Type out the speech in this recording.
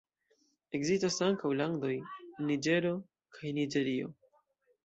Ekzistas ankaŭ landoj Niĝero kaj Niĝerio.